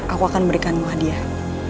aku akan memberikanmu hadiah